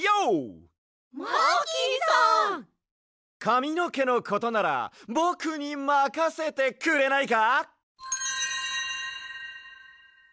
かみのけのことならぼくにまかせてくれないか？